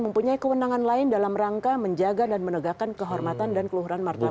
mempunyai kewenangan lain dalam rangka menjaga dan menegakkan kehormatan dan keluhuran martabat